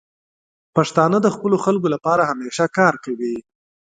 پښتانه د خپلو خلکو لپاره همیشه کار کوي.